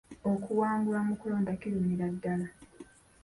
Okuwangulwa mu kulonda kirumira ddala.